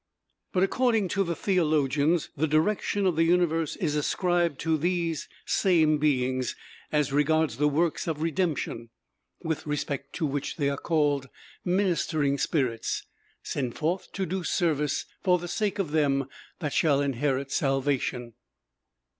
But according to the theologians the direction of the universe is ascribed to these same beings, as regards the works of redemption, with respect to which they are called "ministering spirits, sent forth to do service for the sake of them that shall inherit salvation."